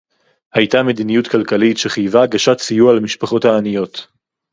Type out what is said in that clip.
היתה מדיניות כלכלית שחייבה הגשת סיוע למשפחות העניות